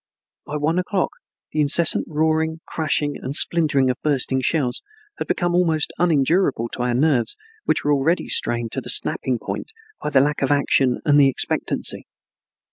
By one o'clock the incessant roaring, crashing, and splintering of bursting shells had become almost unendurable to our nerves, which were already strained to the snapping point by the lack of action and the expectancy.